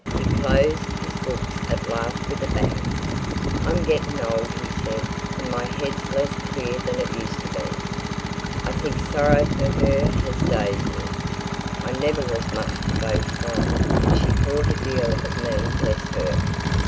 He closed his books at last with a bang. "I'm getting old," he said, "and my head's less clear than it used to be. I think sorrow for her has dazed me. I never was much to boast on; but she thought a deal of me bless her!